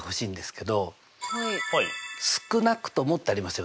「少なくとも」ってありますよね。